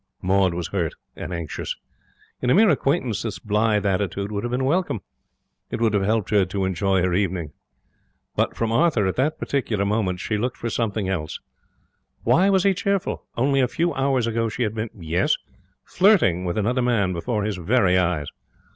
Maud was hurt and anxious. In a mere acquaintance this blithe attitude would have been welcome. It would have helped her to enjoy her evening. But from Arthur at that particular moment she looked for something else. Why was he cheerful? Only a few hours ago she had been yes, flirting with another man before his very eyes.